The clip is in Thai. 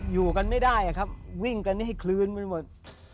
อยู่กันไม่ได้ครับวิ่งกันให้คลืนไปหมด